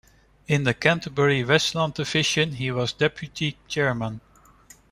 In the Canterbury-Westland division, he was deputy chairman.